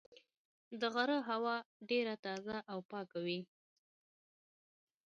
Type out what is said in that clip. د غره هوا ډېره تازه او پاکه وي.